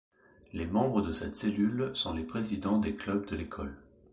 Les Membres de cette cellule sont les présidents des clubs de l’école.